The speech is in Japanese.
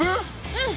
うん。